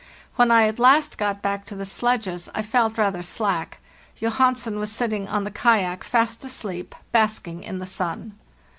When I at last got back to the sledges I felt rather slack; Johan sen was sitting on the kayak fast asleep, basking in the sun.